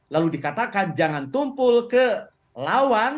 lalu dikatakan jangan tumpul ke lawan